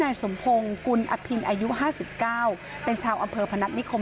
นายสมพงศ์กุลอพินอายุห้าสิบเก้าเป็นชาวอำเภอพนัดมิคม